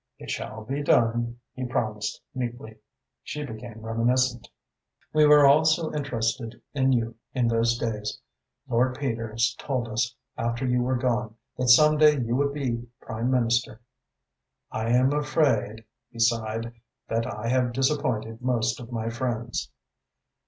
"It shall be done," he promised meekly. She became reminiscent. "We were all so interested in you in those days. Lord Peters told us, after you were gone, that some day you would be Prime Minister." "I am afraid," he sighed, "that I have disappointed most of my friends."